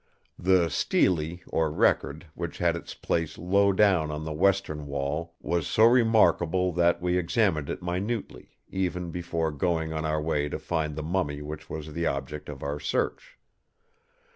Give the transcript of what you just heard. "The Stele, or record, which had its place low down on the western wall, was so remarkable that we examined it minutely, even before going on our way to find the mummy which was the object of our search.